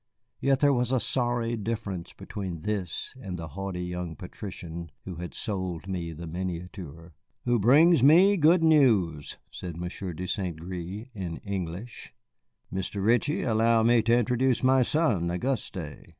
Yet there was a sorry difference between this and the haughty young patrician who had sold me the miniature. "Who brings me good news," said Monsieur de St. Gré, in English. "Mr. Ritchie, allow me to introduce my son, Auguste."